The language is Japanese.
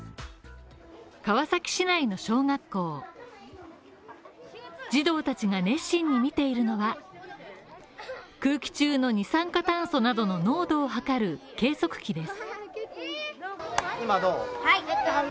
川崎市内の小学校児童たちが熱心に見ているのが空気中の二酸化炭素などの濃度を測る計測器です